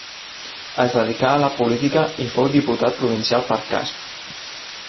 Es dedicà a la política i fou diputat provincial per Casp.